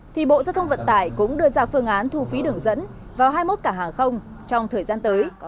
thì bộ giao thông vận tải cũng đưa ra phương án thu phí đường dẫn vào hai mươi một cảng hàng không trong thời gian tới